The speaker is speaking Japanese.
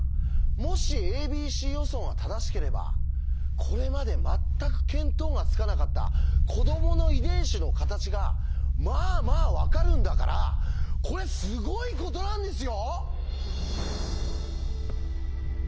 もし「ａｂｃ予想」が正しければこれまで全く見当がつかなかった子どもの遺伝子の形がまあまあ分かるんだからこれすごいことなんですよ！